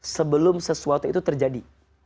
sebelum sesuatu itu terjadi